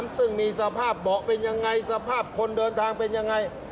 ซึ่งมีสภาพเบาะเป็นยังไงสภาพคนเดินทางเป็นยังไง